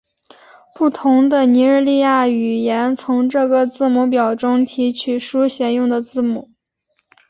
不同的尼日利亚语言从这个字母表中提取书写用的字母。